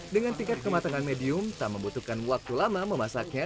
dengan tingkat kematangan medium tak membutuhkan waktu lama memasaknya